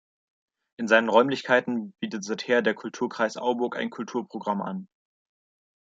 In seinen Räumlichkeiten bietet seither der „Kulturkreis Auburg“ ein Kulturprogramm an.